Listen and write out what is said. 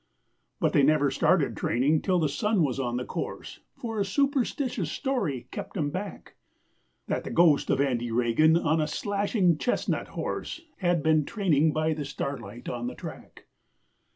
But they never started training till the sun was on the course For a superstitious story kept 'em back, That the ghost of Andy Regan on a slashing chestnut horse, Had been training by the starlight on the track.